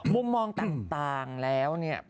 มุมมองต่างแล้วเนี่ย